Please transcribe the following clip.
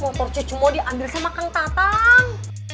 motor cucu mau diambil sama kang tatang